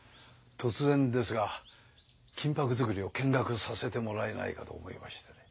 突然ですが金箔作りを見学させてもらえないかと思いまして。